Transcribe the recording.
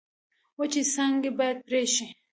وچې څانګې باید پرې شي.